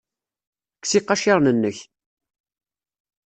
Kkes iqaciren-nnek.